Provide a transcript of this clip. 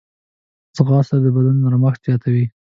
ځغاسته د بدن نرمښت زیاتوي